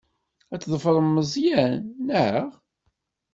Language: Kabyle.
Ad tḍefrem Meẓyan, naɣ?